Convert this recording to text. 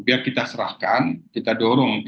biar kita serahkan kita dorong